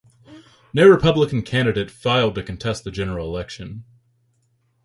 No Republican candidate filed to contest the general election.